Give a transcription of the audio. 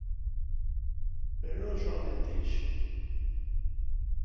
Pero non soamente iso.